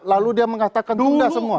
lalu dia mengatakan tunda semua